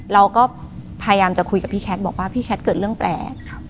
เราก็พยายามจะคุยกับพี่แคทบอกว่าพี่แคทเกิดเรื่องแปลก